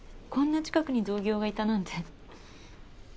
こんな近くに同業がいたなんて。